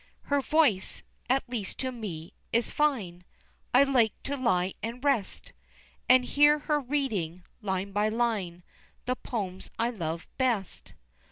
Her voice at least to me is fine, I like to lie and rest, And hear her reading, line by line, The poems I love best.